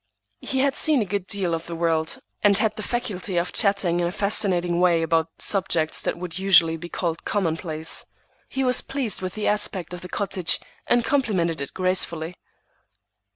He had seen a good deal of the world, was a close observer, and had the faculty of chatting in a fascinating way about subjects that would usually be called commonplace. He was pleased with the aspect of the cottage, and complimented it gracefully.